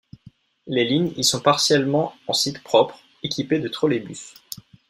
Les lignes y sont partiellement en sites propres, équipée de trolleybus.